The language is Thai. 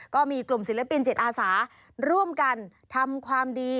ก็มีกลุ่มศิลปินจิตอาสาร่วมกันทำความดี